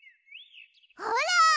ほら！